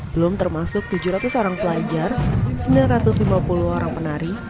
belum termasuk tujuh ratus orang pelajar sembilan ratus lima puluh orang penari